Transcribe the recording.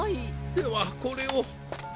ではこれを。